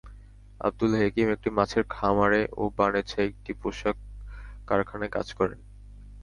আবদুল হেকিম একটি মাছের খামারে ও বানেছা একটি পোশাক কারখানায় কাজ করেন।